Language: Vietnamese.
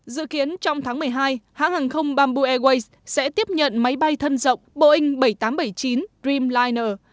dự kiến trong tháng một mươi hai hãng hàng không bamboo airways sẽ tiếp nhận máy bay thân rộng boeing bảy trăm tám mươi bảy chín dreamliner